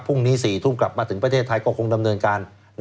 พรุ่งนี้๔ทุ่มกลับมาถึงประเทศไทยก็คงดำเนินการ